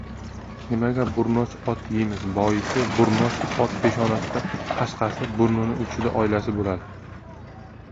Nimaga burnoch ot deymiz! Boisi, burnoch ot peshonasida qashqasi, burni uchida olasi bo‘ladi.